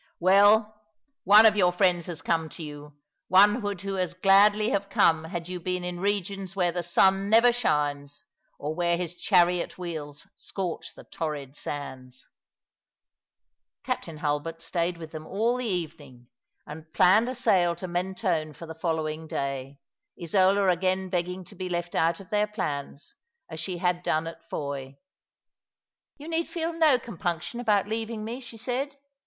'*" Well, one of your friends has come to you, one who would as gladly have come had you been in regions where the sun never shines, or where his chariot wheels scorch the torrid Bands." Captain Hulbert stayed with them all the evening, and 238 All along the River, planned a sail to Mentone for the following day, Isola again begging to be left out of tbeir plans, as she had done at Fowey. " Yon need feel no compnnction abont leaving me," she paid.